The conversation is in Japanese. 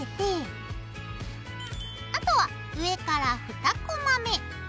あとは上から２コマ目。